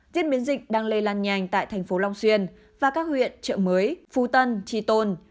diễn biến dịch đang lây lan nhanh tại thành phố long xuyên và các huyện trợ mới phú tân tri tôn